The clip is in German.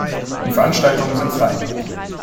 Die Veranstaltungen sind frei.